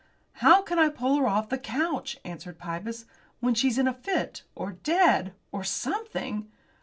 "How can I pull her off the couch," answered Pybus, "when she's in a fit, or dead, or something?"